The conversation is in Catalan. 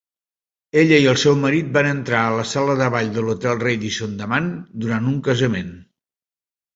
Ella i el seu marit van entrar a la sala de ball de l'hotel Radisson d'Amman durant un casament.